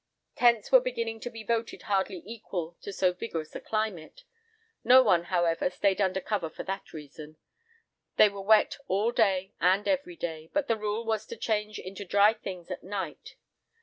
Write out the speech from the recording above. Tents were beginning to be voted hardly equal to so vigorous a climate. No one, however, stayed under cover for that reason. They were wet all day and every day, but the rule was to change into dry things at night.